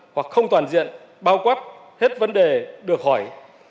hoặc không toàn diện bao quát hết vấn đề được hỏi